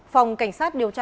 phòng cảnh sát điều tra